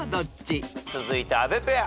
続いて阿部ペア。